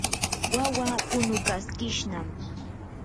wawaa punukaskishnam.